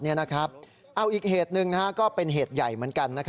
เอาอีกเหตุหนึ่งก็เป็นเหตุใหญ่เหมือนกัน